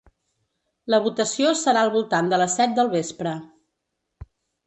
La votació serà al voltant de les set del vespre.